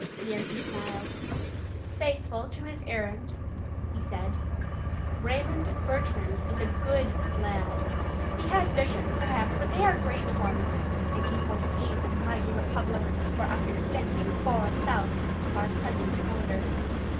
Yancey smiled. "Faithful to his errand," he said. "Raymond Bertrand is a good lad. He has visions, perhaps, but they are great ones, and he foresees a mighty republic for us extending far south of our present border.